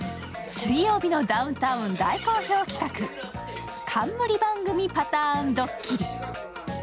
「水曜日のダウンタウン」の大好評企画、「冠番組パターンドッキリ」。